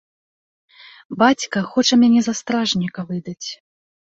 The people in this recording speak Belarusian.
Бацька хоча мяне за стражніка выдаць.